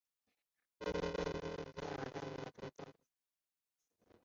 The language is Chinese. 叉膜石蛏为贻贝科石蛏属的动物。